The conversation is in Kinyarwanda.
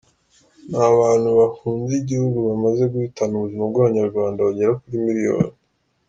Ni abantu bahunze igihugu bamaze guhitana ubuzima bw’Abanyarwanda bagera kuri Miliyoni.